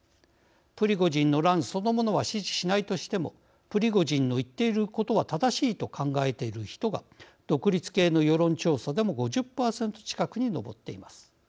プリゴジンの乱そのものは支持しないとしてもプリゴジンの言っていることは正しいと考えている人が独立系の世論調査でも５０％近くに上っています。